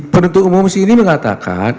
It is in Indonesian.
penentu umum sini mengatakan